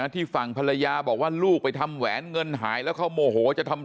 ที่ฝั่งภรรยาบอกว่าลูกไปทำแหวนเงินหายแล้วเขาโมโหจะทำร้าย